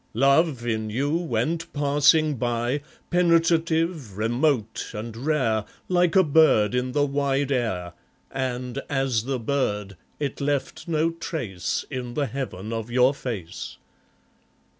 Love, in you, went passing by, Penetrative, remote, and rare, Like a bird in the wide air, And, as the bird, it left no trace In the heaven of your face.